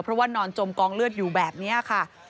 เพราะว่านอนจมกองเลือดอยู่แบบนี้ค่ะ